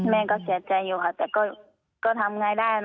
แม่ก็เสียใจอยู่ค่ะแต่ก็ทำไงได้